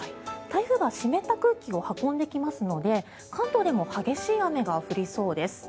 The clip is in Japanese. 台風が湿った空気を運んできますので関東でも激しい雨が降りそうです。